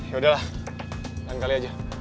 ya udahlah lain kali aja